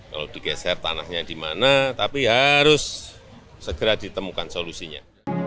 kalau digeser tanahnya di mana tapi harus segera ditemukan solusinya